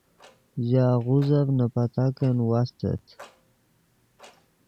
ژے آغوزف نے پتاک واستت